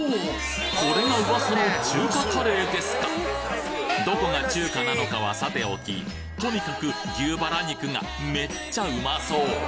これが噂の中華カレーですかどこが中華なのかはさておきとにかく牛バラ肉がめっちゃうまそう！